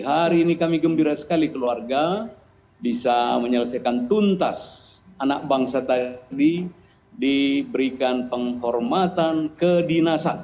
hari ini kami gembira sekali keluarga bisa menyelesaikan tuntas anak bangsa tadi diberikan penghormatan kedinasan